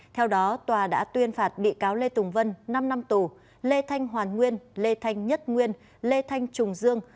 theo đó tòa đã tuyên phạt bị cáo lê tùng vân năm năm tù lê thanh hoàn nguyên lê thanh nhất nguyên lê thanh trùng dương